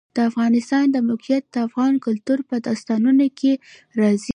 د افغانستان د موقعیت د افغان کلتور په داستانونو کې راځي.